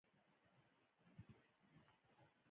بادرنګ د حرارت درجه ټیټوي.